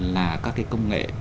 là các cái công nghệ